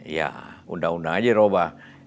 ya undang undang aja dirobah